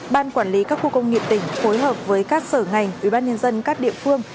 ban quản lý các khu công nghiệp tỉnh phối hợp với các sở ngành ubnd các địa phương